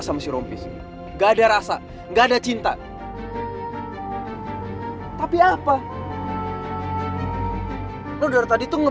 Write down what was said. sampai jumpa di video selanjutnya